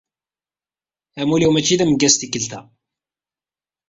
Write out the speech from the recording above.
Amuli-w mačči d ameggaz tikelt-a.